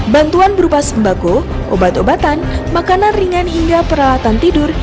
bantuan berupa sembako obat obatan makanan ringan hingga peralatan tidur